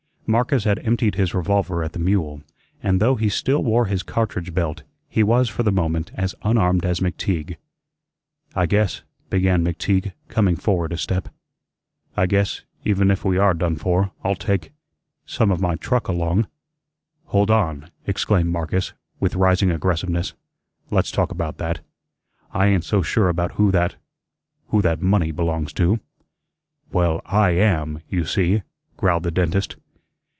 Marcus had emptied his revolver at the mule, and though he still wore his cartridge belt, he was for the moment as unarmed as McTeague. "I guess," began McTeague coming forward a step, "I guess, even if we are done for, I'll take some of my truck along." "Hold on," exclaimed Marcus, with rising aggressiveness. "Let's talk about that. I ain't so sure about who that who that money belongs to." "Well, I AM, you see," growled the dentist.